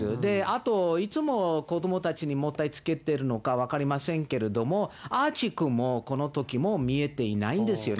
あといつも子どもたちにもったいつけてるのか分かりませんけれども、アーチーくんもこのときも見えていないんですよ。